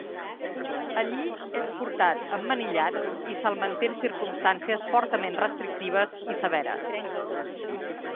Allí és portat emmanillat i se'l manté en circumstàncies fortament restrictives i severes.